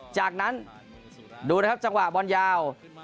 จากนั้นดูนะครับจังหวะบอลยาว